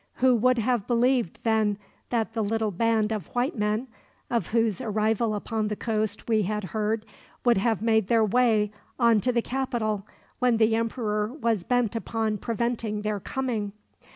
Who could have believed then that the little band of white men, of whose arrival upon the coast we had heard, would have made their way on to the capital, when the emperor was bent upon preventing their coming?